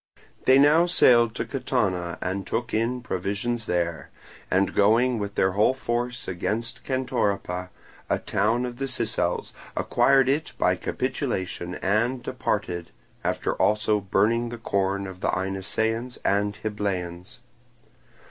They now sailed to Catana and took in provisions there, and going with their whole force against Centoripa, a town of the Sicels, acquired it by capitulation, and departed, after also burning the corn of the Inessaeans and Hybleans.